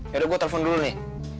yaudah gue telepon dulu nih